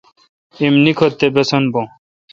ایم نیکتھ تے باسن بھو۔